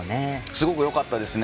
すごくよかったですね。